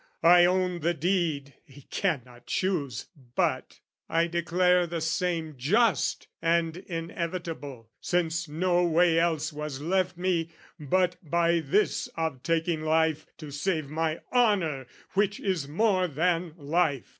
"I own the deed " (He cannot choose, but ) "I declare the same "Just and inevitable, since no way else "Was left me, but by this of taking life, "To save my honour which is more than life.